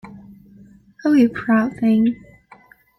O you proud thing!